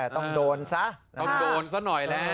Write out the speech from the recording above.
ต้องโดนซะต้องโดนซะหน่อยแล้ว